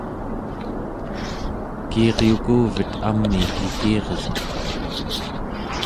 kiiryukuvet amiik ikiresgu